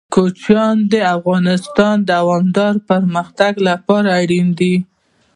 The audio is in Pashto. کوچیان د افغانستان د دوامداره پرمختګ لپاره اړین دي.